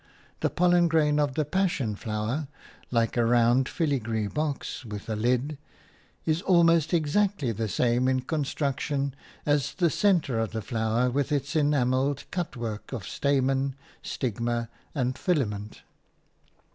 The pollen grain of the passion flower – like a round filigree box with a lid – is almost exactly the same in construction as the centre of the flower with its enamelled cut work of stamen, stigma and filament.